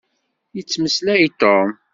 Yettmeslay Tom.